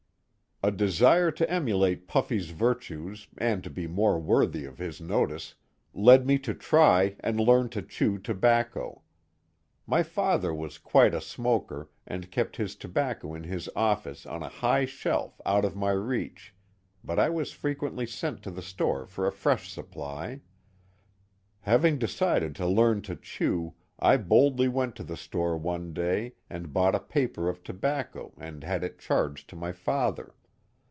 A desire to emulate Puffy's " virtues and to be more worthy of his notice, led me to try and learn to chew tobacco. My father was quite a smoker, and kept his tobacco in his office on a high shelf out of my reach, but I was frequently sent to the store for a fresh supply. Having decided to learn to chew, I boldly went to the store one day and bought a paper of tobacco and had it charged to my father.